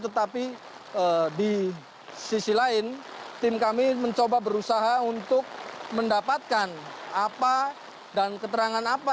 tetapi di sisi lain tim kami mencoba berusaha untuk mendapatkan apa dan keterangan apa